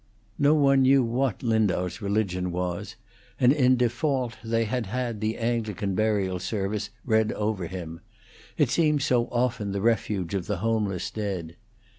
No one knew what Lindau's religion was, and in default they had had the Anglican burial service read over him; it seems so often the refuge of the homeless dead.